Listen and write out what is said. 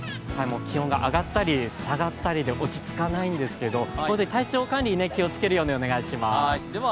気温が上がったり下がったりで落ち着かないんですけど体調管理に気をつけるようにお願いします。